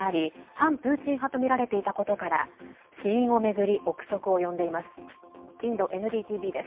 反プーチン派とみられていたことから死因を巡り、憶測を呼んでいます。